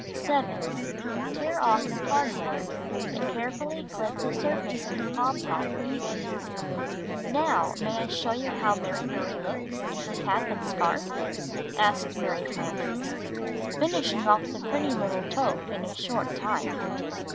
7. Tear off the cardboard, and carefully clip the surface of the pompon even. ''Now, may I show you now Mary Marie looks in her cap and scarf?" asked ]\Iary Frances, finishing off the pretty little toque in a short time.